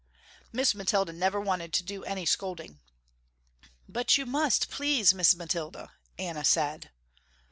Miss Mathilda never wanted to do any scolding. "But you must please Miss Mathilda," Anna said.